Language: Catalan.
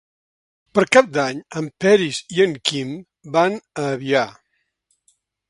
Per Cap d'Any en Peris i en Quim van a Avià.